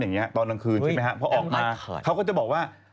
อย่างนี้ตอนกลางคืนใช่ไหมครับพอออกมาเขาก็จะบอกว่า